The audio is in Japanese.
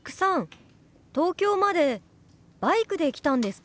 東京までバイクで来たんですか？